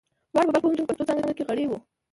دواړه په بلخ پوهنتون پښتو څانګه کې غړي وو.